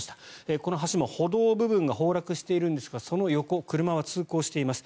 この橋も歩道部分が崩落しているんですがその横、車は通行しています。